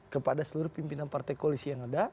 kepada seluruh pimpinan partai koalisi yang ada